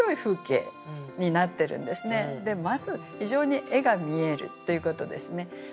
まず非常に絵が見えるということですね。